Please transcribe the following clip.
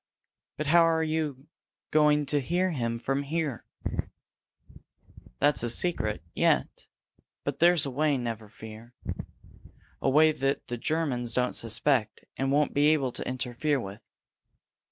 "But how are you going to hear from him here?" "That's a secret yet! But there's a way, never fear. A way that the Germans don't suspect, and won't be able to interfere with.